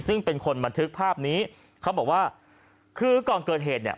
ซึ่งเป็นคนบันทึกภาพนี้เขาบอกว่าคือก่อนเกิดเหตุเนี่ย